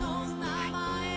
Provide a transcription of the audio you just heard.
はい。